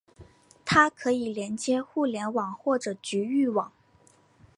它可以连接互联网或者局域网。